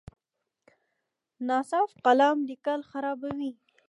ناصاف قلم لیکل خرابوي.